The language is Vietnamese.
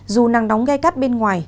dù nắng nóng gai cắt bên ngoài